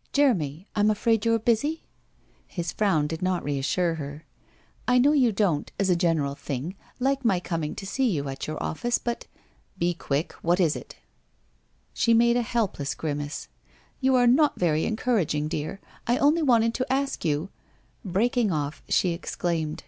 ...' Jeremy, I'm afraid you are busy ?' His frown did not reassure her. ' I know you don't, as a general thing, like my coming to see you at your office, but ' 'Be quick. What it is?' Bhe made a helpless grimace. 'You are not very en couraging, dear! I only wanted to ask you !' Breaking off, she exclaimed.